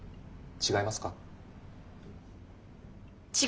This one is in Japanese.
違います。